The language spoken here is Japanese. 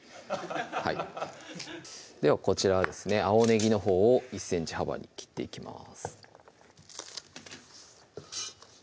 はいではこちらですね青ねぎのほうを１ｃｍ幅に切っていきます